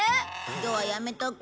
今日はやめとく？